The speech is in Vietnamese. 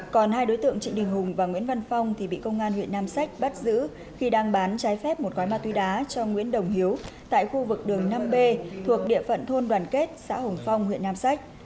còn hai đối tượng trịnh đình hùng và nguyễn văn phong thì bị công an huyện nam sách bắt giữ khi đang bán trái phép một gói ma túy đá cho nguyễn đồng hiếu tại khu vực đường năm b thuộc địa phận thôn đoàn kết xã hùng phong huyện nam sách